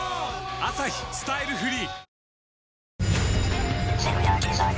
「アサヒスタイルフリー」！